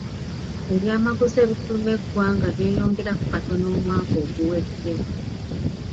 Ebyamaguzi ebifuluma eggwanga byeyongerako katono omwaka oguwedde.